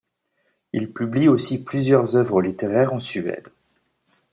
Il publie aussi plusieurs œuvres littéraires en Suède.